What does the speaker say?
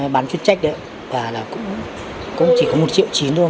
bán chuyên trách đấy và là cũng chỉ có một triệu chín thôi